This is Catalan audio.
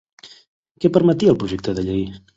Què permetia el projecte de llei?